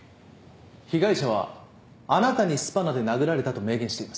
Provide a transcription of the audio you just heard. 被害者はあなたにスパナで殴られたと明言しています。